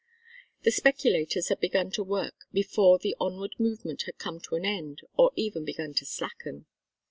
The speculators had begun to work before the onward movement had come to an end or even begun to slacken.